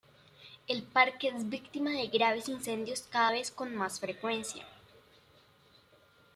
El parque es víctima de graves incendios cada vez con más frecuencia.